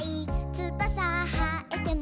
「つばさはえても」